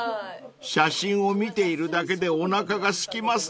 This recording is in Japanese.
［写真を見ているだけでおなかがすきますね］